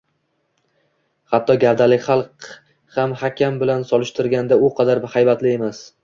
Hatto gavdali Xalk ham hakam bilan solishtirganda u qadar haybatli emas